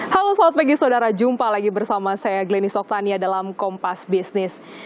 halo selamat pagi saudara jumpa lagi bersama saya gleni soktania dalam kompas bisnis